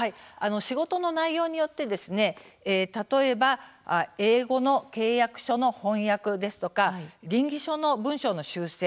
仕事の内容によって例えば英語の契約書の翻訳ですとかりん議書の文章の修正